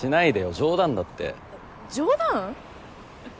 冗談だって冗談？